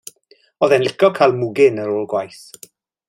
O'dd e'n lico ca'l mwgyn ar ôl gwaith.